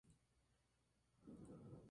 Pepper para agregar un personaje cómico.